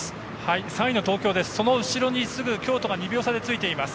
３位の東京の後ろにすぐ京都が２秒差でついています。